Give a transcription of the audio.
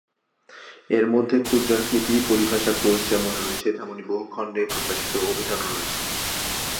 এর মধ্যে ক্ষুদ্রাকৃতি পরিভাষাকোষ যেমন রয়েছে, তেমনি বহুখন্ডে প্রকাশিত অভিধানও রয়েছে।